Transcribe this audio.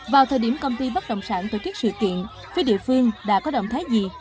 vào thời điểm công ty bất động sản tổ chức sự kiện phía địa phương đã có động thái gì